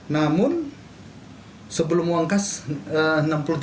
namun sebelum uang khas enam puluh tiga miliar itu